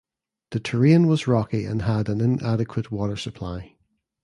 The terrain was rocky and had an inadequate water supply.